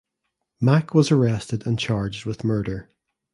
Mack was arrested and charged with murder.